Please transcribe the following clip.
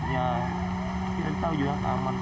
ya tidak di tahu juga aman